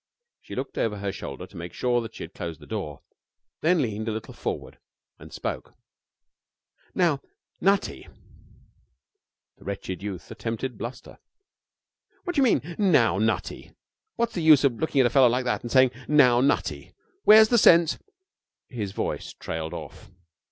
She looked over her shoulder to make sure that she had closed the door, then leaned a little forward and spoke. 'Now, Nutty!' The wretched youth attempted bluster. 'What do you mean "Now, Nutty"? What's the use of looking at a fellow like that and saying "Now, Nutty"? Where's the sense ' His voice trailed off.